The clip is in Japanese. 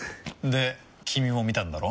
で君も見たんだろ？